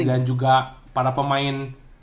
dan juga para pemain